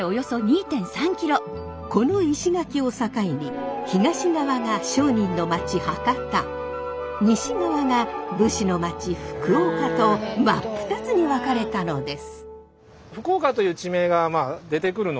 この石垣を境に東側が商人の町博多西側が武士の町福岡と真っ二つに分かれたのです。